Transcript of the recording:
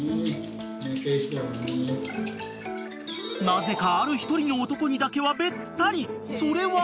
［なぜかある一人の男にだけはべったりそれは］